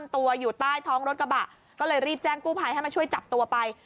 ตัวอยู่ใต้ท้องรถกระบะก็เลยรีบแจ้งกู้ภัยให้มาช่วยจับตัวไป